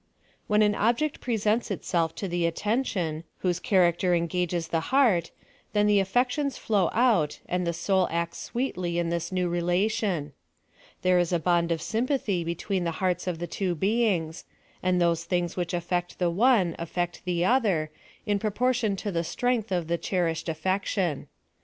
When an object presents itself to the attcntioPj whose clia'ucter eno ajjes the heart, then the aiilic 160 PHILOSOPHY OP THE tioiis flow out, and the soul acts sweetly in this new relation. There is a bond of sympathy between the heaits of the two beings, and those thin*^s which affect the one affect the other, in proportion to the strenofth of the cherished affection.